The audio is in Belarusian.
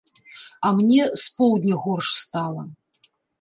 А мне, з поўдня горш стала.